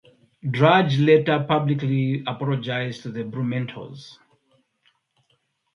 Drudge later publicly apologized to the Blumenthals.